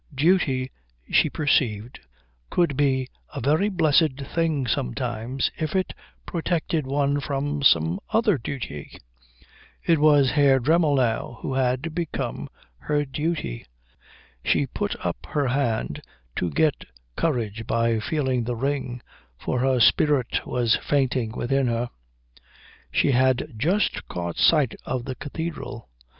Duty, she perceived, could be a very blessed thing sometimes if it protected one from some other duty. It was Herr Dremmel now who had become her Duty. She put up her hand to get courage by feeling the ring, for her spirit was fainting within her she had just caught sight of the cathedral.